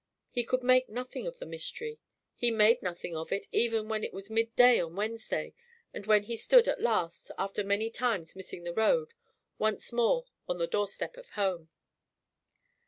He could make nothing of the mystery had made nothing of it, even when it was midday on Wednesday, and when he stood, at last, after many times missing his road, once more on the doorstep of home.